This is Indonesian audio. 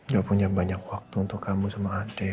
dia punya banyak waktu untuk kamu sama adik